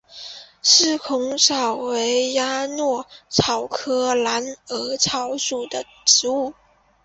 四孔草为鸭跖草科蓝耳草属的植物。